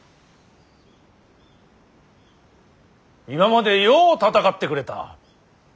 今までよう戦ってくれた。